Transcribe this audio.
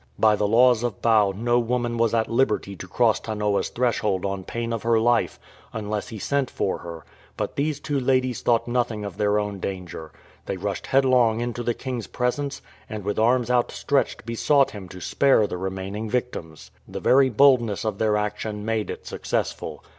By the laws of Bau no woman was at liberty to cross Tanoa's threshold on pain of her life, unless he sent for her; but these two ladies thought nothing of their own danger. They rushed headlong into the king's presence, and with arms outstretched besought him to spare the remaining victims. The very boldness of their action made it successful.